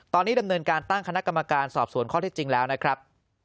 ตอนนี้ดำเนินการตั้งคณะกรรมการสอบสวนข้อที่จริงแล้วนะครับ